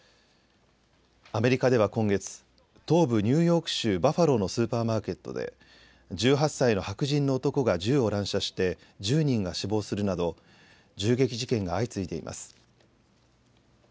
アメリカでは今月、東部ニューヨーク州バファローのスーパーマーケットで１８歳の白人の男が銃を乱射して１０人が死亡するなど銃撃事件が相次いでいます。